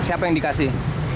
siapa yang dikasih